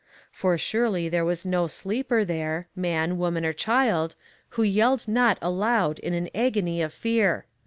For surely there was no sleeper there, man, woman, or child, who yelled not aloud in an agony of fear.